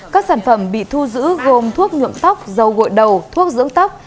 các sản phẩm bị thu giữ gồm thuốc nhuộm tóc dầu gội đầu thuốc dưỡng tóc